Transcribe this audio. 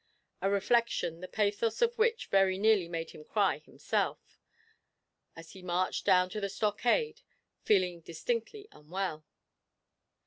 a reflection the pathos of which very nearly made him cry himself, as he marched down to the stockade, feeling distinctly unwell.